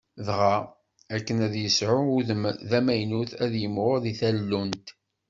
Dɣa, akken ad yesɛu udem d amaynut, ad yimɣur di tallunt.